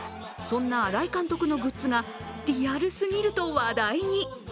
そんな新井監督のグッズがリアルすぎると話題に。